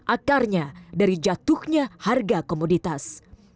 akarnya dari jatuhnya harga komoditas